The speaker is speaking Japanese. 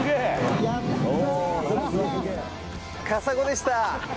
カサゴでした。